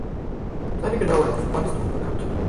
Seine genaue Laufbahn ist unbekannt.